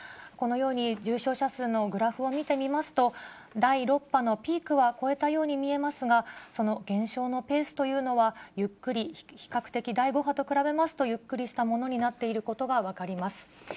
このように、重症者数のグラフを見てみますと、第６波のピークは越えたように見えますが、その減少のペースというのは、ゆっくり比較的第５波と比べますとゆっくりしたものになっていることが分かります。